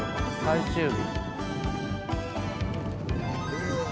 最終日。